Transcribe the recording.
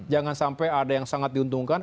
jangan sampai ada yang sangat diuntungkan